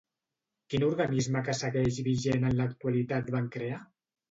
Quin organisme que segueix vigent en l'actualitat van crear?